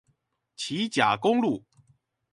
旗甲公路